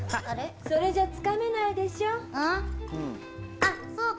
あっそうか。